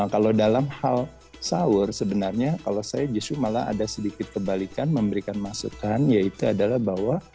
kalau dalam hal sahur sebenarnya kalau saya justru malah ada sedikit kebalikan memberikan masukan yaitu adalah bahwa